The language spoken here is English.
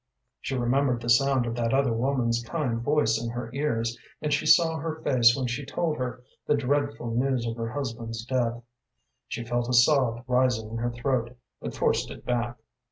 She remembered the sound of that other woman's kind voice in her ears, and she saw her face when she told her the dreadful news of her husband's death. She felt a sob rising in her throat, but forced it back.